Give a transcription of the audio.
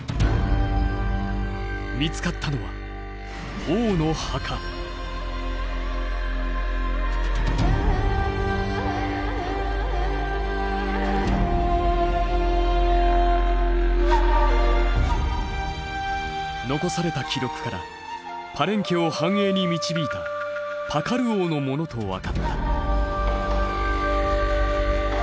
見つかったのは残された記録からパレンケを繁栄に導いたパカル王のものと分かった。